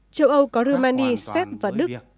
châu âu có rumania sép và đức